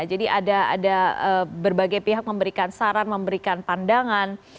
jadi ada berbagai pihak memberikan saran memberikan pandangan